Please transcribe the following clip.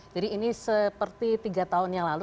jadi ini seperti tiga tahun yang lalu